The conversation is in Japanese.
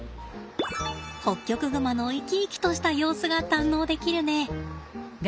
ホッキョクグマの生き生きとした様子が堪能できるね。